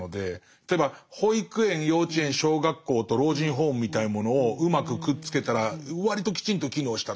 例えば保育園幼稚園小学校と老人ホームみたいなものをうまくくっつけたら割ときちんと機能したとかということがあったりとか。